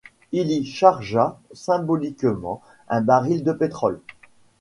Il y chargea symboliquement un baril de pétrole.